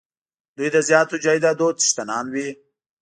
دوی د زیاتو جایدادونو څښتنان وي.